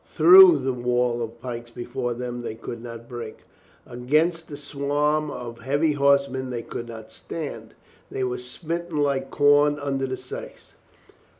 Through the wall of pikes be fore them they could not break. Against the swarm of heavy horsemen they could not stand. They were smitten like corn under the scythe.